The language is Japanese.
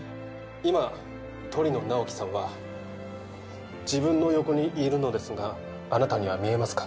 今鳥野直木さんは自分の横にいるのですがあなたには見えますか？